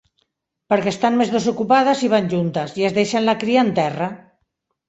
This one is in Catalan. Perquè estan més desocupades i van juntes, i es deixen la cria en terra.